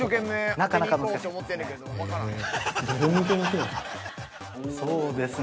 ◆なかなか難しかったですね。